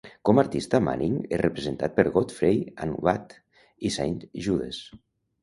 Com a artista, Manning és representat per Godfrey and Watt, i Saint Judes.